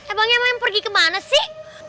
abangnya mau pergi kemana sih